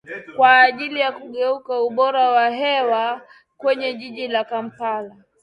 Kwa ajili ya kukagua ubora wa hewa kwenye jiji la Kampala